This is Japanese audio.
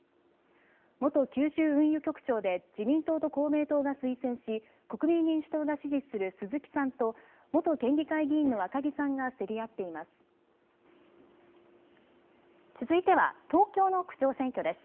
元九州運輸局長で自民党と公明党が推薦し、国民民主党が支持する鈴木さんと元県議会議員の続いては、東京の区長選挙です。